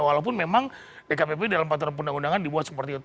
walaupun memang dkpp dalam peraturan undang undangan dibuat seperti itu